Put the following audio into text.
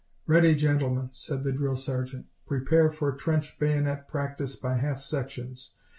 "Ready, gentlemen," said the drill sergeant. "Prepare for trench bayonet practice by half sections.